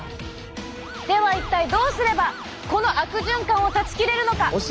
では一体どうすればこの悪循環を断ち切れるのか。